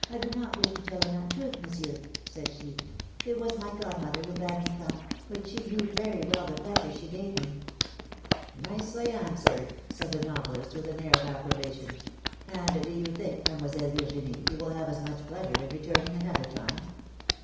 do not wish to tell an untruth. Monsieur," said she; ^Mt was my godmother who bade me come; but she knew very well the pleasure she gave me." 120 PHIL0M^:NE'S MARRIAGES. Nicely answered/^ said the novelist, with an air of approbation. ^^And do you think, Mademoiselle Vir ginie, you will have as much pleasure in returning another time